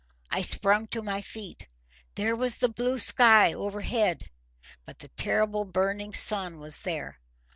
I sprung to my feet. There was the blue sky overhead; but the terrible burning sun was there.